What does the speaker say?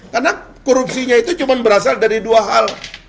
karena korupsinya itu cuma berasal dari dua hal